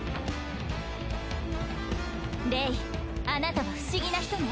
レイあなたは不思議な人ね